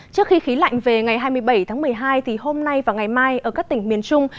trước khi khí lạnh về ngày hai mươi bảy tháng một mươi hai thì hôm nay và ngày mai ở các tỉnh miền trung